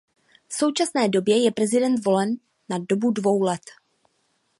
V současné době je prezident volen na dobu dvou let.